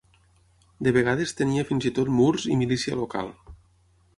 De vegades tenia fins i tot murs i milícia local.